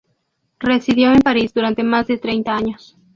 Residió en París durante más de treinta años.